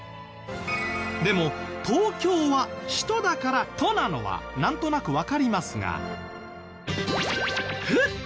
でも東京は首都だから「都」なのはなんとなくわかりますが。